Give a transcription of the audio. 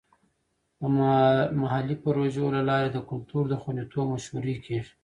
د محلي پروژو له لارې د کلتور د خوندیتوب مشورې کیږي.